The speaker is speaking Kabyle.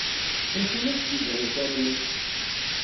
Amek ay ak-d-iban usaru-nni?